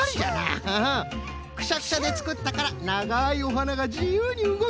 くしゃくしゃでつくったからながいおはながじゆうにうごく！